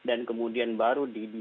dan kemudian banyak orang yang dikontrol